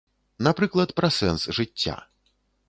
Напрыклад, пра сэнс жыцця.